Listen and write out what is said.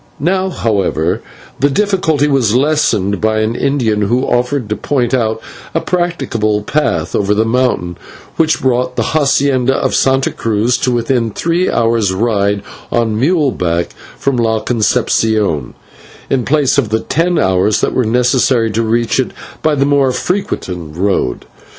Now, however, the difficulty was lessened by an Indian who offered to point out a practicable path over the mountain, which brought the /hacienda/ of Santa Cruz to within a three hours' ride on mule back from La Concepcion, in place of the ten hours that were necessary to reach it by the more frequented road.